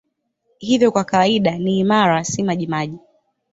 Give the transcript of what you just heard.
Hivyo kwa kawaida ni imara, si majimaji.